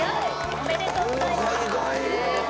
おめでとうございます。